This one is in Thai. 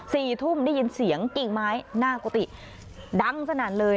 สี่ทุ่มได้ยินเสียงกิ่งไม้หน้ากุฏิดังสนั่นเลย